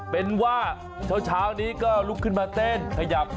เป็นว่าเช้านี้ก็ลุกขึ้นมาเต้นขยับ